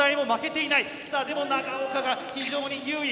でも長岡が非常に優位！